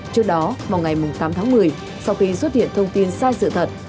trước đó vào ngày tám tháng một mươi sau khi xuất hiện thông tin sai sự thật